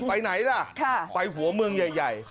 ไปไหนล่ะไปหัวเมืองใหญ่